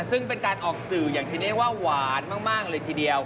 ซึ่งเป็นการออกสื่ออย่างที่เรียกว่าหวานมากเลยทีเดียว